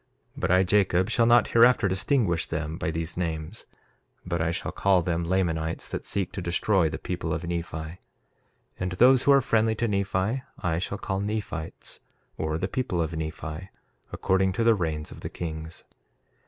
1:14 But I, Jacob, shall not hereafter distinguish them by these names, but I shall call them Lamanites that seek to destroy the people of Nephi, and those who are friendly to Nephi I shall call Nephites, or the people of Nephi, according to the reigns of the kings.